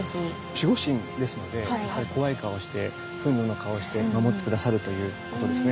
守護神ですのでやはり怖い顔をして憤怒の顔をして守って下さるということですね。